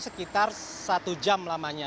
sekitar satu jam lamanya